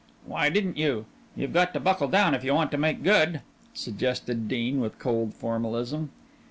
"Why didn't you? You've got to buckle down if you want to make good," suggested Dean with cold formalism.